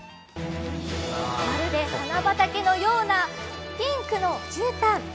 まるで花畑のようなピンクのじゅうたん。